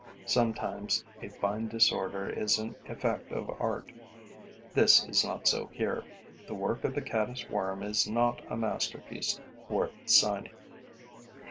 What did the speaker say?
Sometimes, a fine disorder is an effect of art. This is not so here: the work of the Caddis worm is not a masterpiece worth signing.